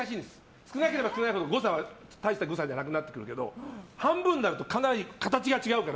少なければ少ないほど誤差は大した誤差じゃないけど半分になると形が違うから。